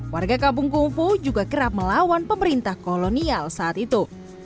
warga kampung kufu juga kerap melawan pemerintah kolonial saat itu